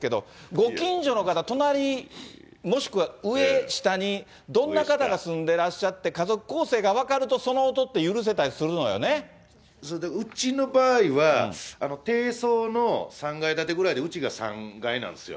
ご近所の方、隣もしくは上、下にどんな方が住んでらっしゃって、家族構成が分かると、うちの場合は、低層の３階建てくらいでうちが３階なんですよ。